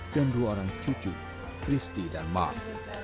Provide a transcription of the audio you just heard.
dan dua orang cucu christy dan mark